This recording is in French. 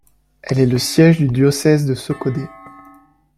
Elle est le siège du diocèse de Sokodé.